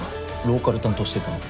ローカル担当してたの。